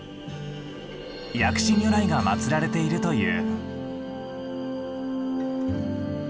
薬師如来が祀られているという。